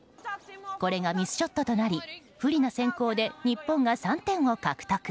これがミスショットとなり不利な先攻で日本が３点を獲得。